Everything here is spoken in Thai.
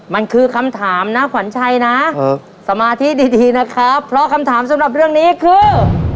มันคือคำถามนะขวัญชัยนะสมาธิดีนะครับเพราะคำถามสำหรับเรื่องนี้คือ